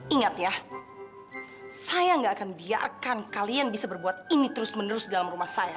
ingat ya saya gak akan biarkan kalian bisa berbuat ini terus menerus dalam rumah saya